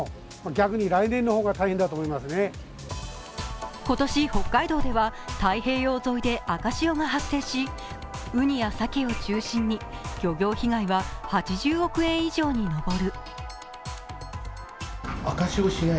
更に今年、北海道では太平洋沿いで赤潮が発生しうにやさけを中心に漁業被害は８０億円以上に上る。